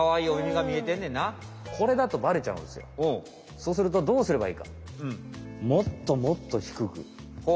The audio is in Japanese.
そうするとどうすればいいか？